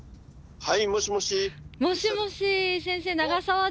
はい。